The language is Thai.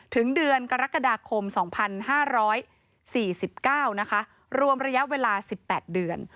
ถึงเดือนกรกฎาคม๒๕๔๙นะคะรวมระยะเวลา๑๘เดือน